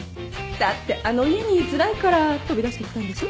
だってあの家に居づらいから飛び出してきたんでしょ？